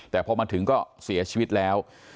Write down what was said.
แต่พอมาถึงก็เสียชีวิตแล้ว